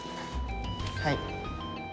はい。